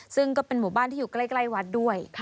ซึ่งก็เป็นหมู่บ้านที่อยู่ใกล้วัดด้วย